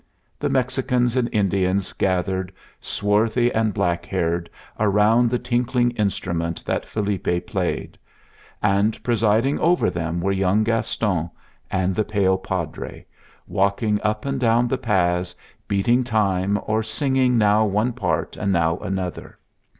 The Mexicans and Indians gathered, swarthy and black haired, around the tinkling instrument that Felipe played; and presiding over them were young Gaston and the pale Padre, walking up and down the paths, beating time or singing now one part and now another.